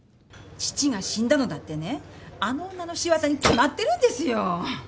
父が死んだのだってねあの女の仕業に決まってるんですよ！